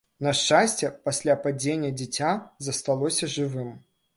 На шчасце, пасля падзення дзіця засталося жывым.